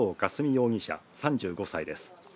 容疑者３５歳です。